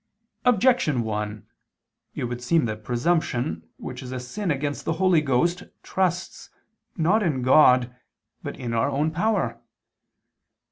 Objection 1: It would seem that presumption, which is a sin against the Holy Ghost, trusts, not in God, but in our own power.